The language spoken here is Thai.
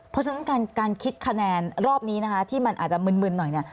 เพราะฉะนั้นการคิดคะแนนรอบนี้นะคะที่มันอาจจะมึนหน่อยเนี่ย